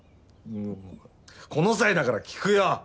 この際だから聞くよ！